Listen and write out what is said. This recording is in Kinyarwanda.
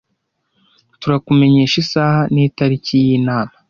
Turakumenyesha isaha nitariki yinama.